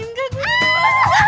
nggak gue nyebelin